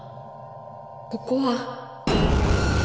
ここは。